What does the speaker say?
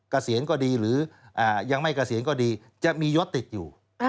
เกษียณก็ดีหรือยังไม่เกษียณก็ดีจะมียศติดอยู่